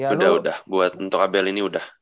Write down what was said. udah udah buat untuk abl ini udah